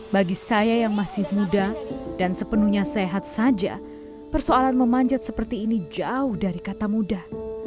bagi saya yang masih muda dan sepenuhnya sehat saja persoalan memanjat seperti ini jauh dari kata muda